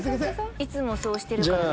いつもそうしてるからね。